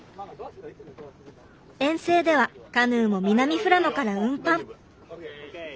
遠征ではカヌーも南富良野から運搬。